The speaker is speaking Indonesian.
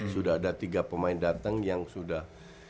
sudah ada tiga pemain datang yang sudah